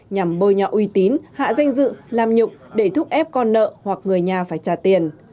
nhằm bôi nhọ uy tín hạ danh dự làm nhụng để thúc ép con nợ hoặc người nhà phải trả tiền